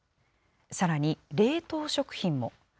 さらに冷凍食品も。